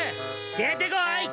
出てこい！